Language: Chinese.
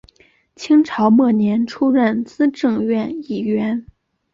清朝末年出任资政院议员。